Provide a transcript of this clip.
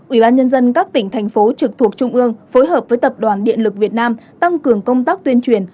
ủy ban nhân dân các tỉnh thành phố trực thuộc trung ương phối hợp với tập đoàn điện lực việt nam tăng cường công tác tuyên truyền